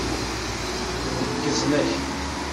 Neggzen akk.